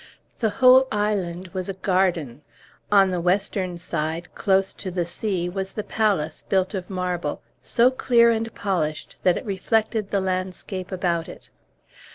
The whole island was a garden. On the western side, close to the sea, was the palace, built of marble, so clear and polished that it reflected the landscape about it.